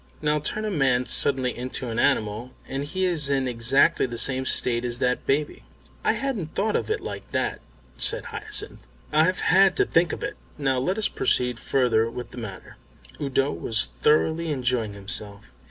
Now turn a man suddenly into an animal and he is in exactly the same state as that baby." "I hadn't thought of it like that," said Hyacinth. "I've had to think of it! Now let us proceed further with the matter." Udo was thoroughly enjoying himself.